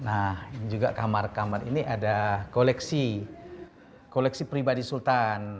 nah juga kamar kamar ini ada koleksi koleksi pribadi sultan